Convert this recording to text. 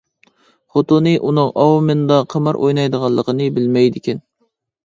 خوتۇنى ئۇنىڭ ئاۋمېندا قىمار ئوينايدىغانلىقىنى بىلمەيدىكەن.